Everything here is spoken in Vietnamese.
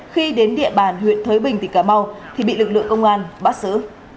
khi đến địa bàn huyện thới bình tỉnh cà mau thì bị lực lượng công an bắt giữ